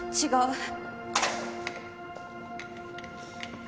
違う。